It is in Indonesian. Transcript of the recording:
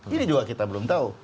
ini juga kita belum tahu